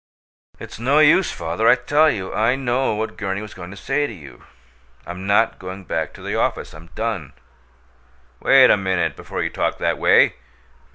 "It's no use, father, I tell you. I know what Gurney was going to say to you. I'm not going back to the office. I'm DONE!" "Wait a minute before you talk that way!"